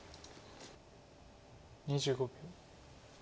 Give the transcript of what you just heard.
２５秒。